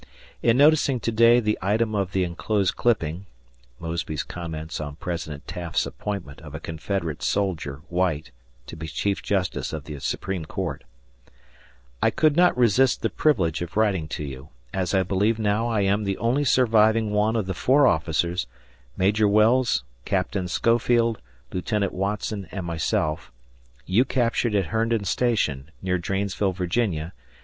In noticing to day the item of the enclosed clipping [Mosby's comment on President Taft's appointment of a Confederate soldier (White) to be Chief Justice of the Supreme Court] I could not resist the privilege of writing to you, as I believe now I am the only surviving one of the four officers Major Wells, Capt. Schofield, Lieut. Watson, and myself you captured at Herndon Station, near Dranesville, Va.